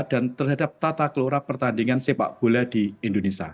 dan terhadap tata kelola pertandingan sepak bola di indonesia